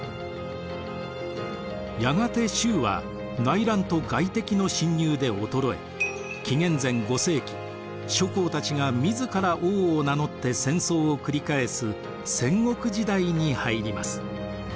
やがて周は内乱と外敵の侵入で衰え紀元前５世紀諸侯たちが自ら王を名乗って戦争を繰り返す戦国時代に入ります。